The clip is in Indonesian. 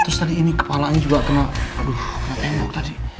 terus tadi ini kepalanya juga kena aduh tembok tadi